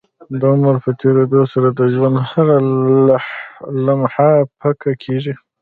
د عمر په تيريدو سره د ژوند هره لمحه پيکه کيږي